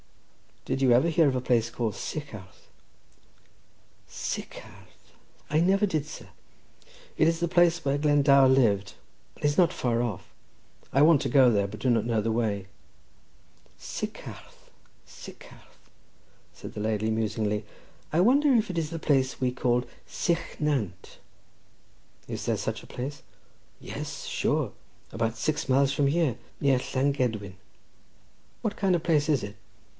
"Did you ever hear of a place called Sycharth?" "Sycharth! Sycharth! I never did, sir." "It is the place where Glendower lived, and it is not far off. I want to go there, but do not know the way." "Sycharth! Sycharth!" said the landlady musingly; "I wonder if it is the place we call Sychnant." "Is there such a place?" "Yes, sure; about six miles from here, near Llangedwin." "What kind of place is it?"